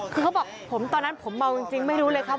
คือเขาบอกผมตอนนั้นผมเมาจริงไม่รู้เลยครับ